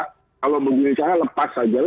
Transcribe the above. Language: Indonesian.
kalau begini saya lepas saja